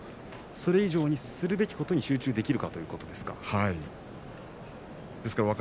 それ以上にするべきことに集中できるかどうかということですか。